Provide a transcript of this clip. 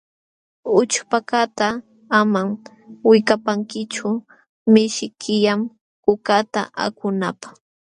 Ućhpakaqta amam wikapankichu, mishkillam kukata akunapq.